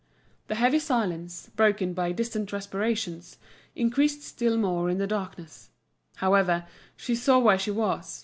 The heavy silence, broken by distant respirations, increased still more the darkness. However, she saw where she was.